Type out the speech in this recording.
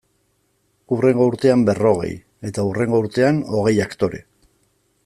Hurrengo urtean berrogei, eta hurrengo urtean hogei aktore.